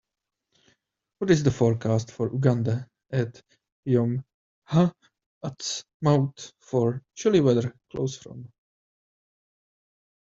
what is the forecast for Uganda at Yom Ha'atzmaut for chilly weather close from